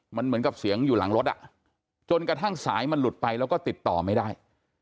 มันเหมือนกับเสียงอยู่หลังรถอ่ะจนกระทั่งสายมันหลุดไปแล้วก็ติดต่อไม่ได้